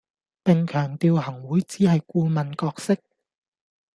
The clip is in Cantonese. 並強調行會只係顧問角色